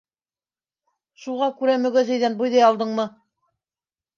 — Шуға күрә мөгәзәйҙән бойҙай алдыңмы?